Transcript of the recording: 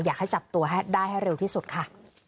อยากให้จับตัวให้ได้ให้เร็วที่สุดค่ะ